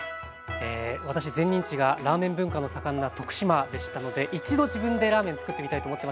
私前任地がラーメン文化の盛んな徳島でしたので一度自分でラーメンつくってみたいと思ってました。